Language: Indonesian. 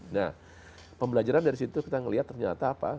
nah pembelajaran dari situ kita melihat ternyata apa